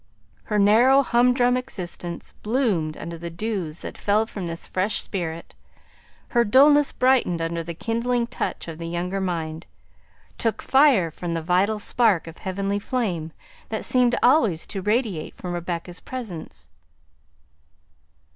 Her narrow, humdrum existence bloomed under the dews that fell from this fresh spirit; her dullness brightened under the kindling touch of the younger mind, took fire from the "vital spark of heavenly flame" that seemed always to radiate from Rebecca's presence.